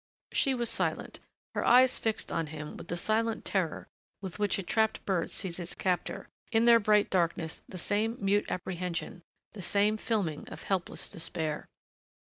She was silent, her eyes fixed on him with the silent terror with which a trapped bird sees its captor, in their bright darkness the same mute apprehension, the same filming of helpless despair.